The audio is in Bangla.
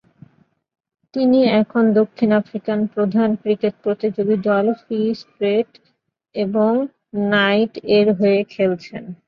তিনি এখন দক্ষিণ আফ্রিকান প্রধান ক্রিকেট প্রতিযোগী দল ফ্রি স্টেট এবং নাইট এর হয়ে খেলছেন।